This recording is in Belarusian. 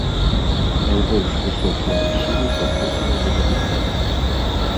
Найбольш высокія масівы пакрытыя ледавікамі.